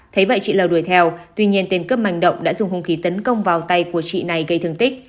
thấy vậy chị lttl đuổi theo tuy nhiên tiền cướp mạnh động đã dùng hung khí tấn công vào tay của chị này gây thương tích